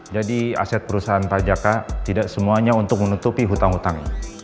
jadi aset perusahaan pajaka tidak semuanya untuk menutupi hutang hutang ini